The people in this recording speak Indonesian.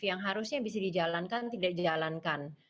yang harusnya bisa dijalankan tidak dijalankan